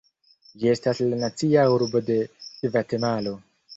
Ĝi estas la nacia arbo de Gvatemalo.